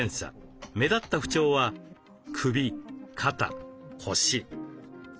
目立った不調は首肩腰。